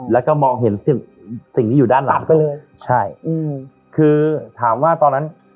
แล้วก็มองเห็นสิ่งสิ่งที่อยู่ด้านหลังก็เลยใช่อืมคือถามว่าตอนนั้น